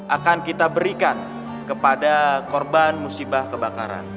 akan kita berikan kepada korban musibah kebakaran